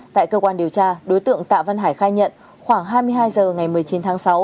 tại cơ quan điều tra đối tượng tạ văn hải khai nhận khoảng hai mươi hai h ngày một mươi chín tháng sáu